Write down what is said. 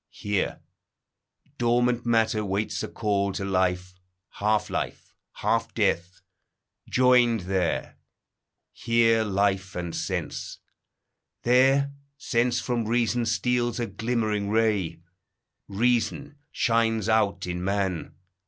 Here, dormant matter waits a call to life; Half life, half death, joined there; here life and sense; There, sense from reason steals a glimmering ray; Reason shines out in man.